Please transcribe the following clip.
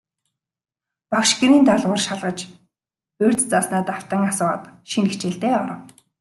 Багш гэрийн даалгавар шалгаж, урьд зааснаа давтан асуугаад, шинэ хичээлдээ оров.